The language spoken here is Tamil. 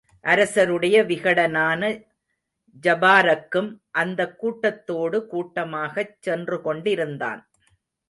அரசருடைய விகடனான ஜபாரக்கும் அந்தக் கூட்டத்தோடு கூட்டமாகச் சென்று கொண்டிருந்தான்.